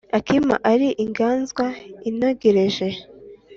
Akima ari inganzwa inogereje